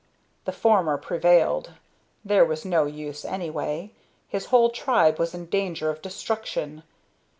The former prevailed. There was no use anyway. His whole tribe was in danger of destruction.